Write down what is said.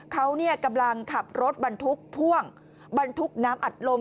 เขากำลังขับรถบรรทุกพ่วงบรรทุกน้ำอัดลม